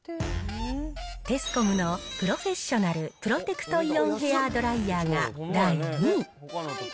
テスコムのプロフェッショナルプロテクトイオンドライヤーが第２位。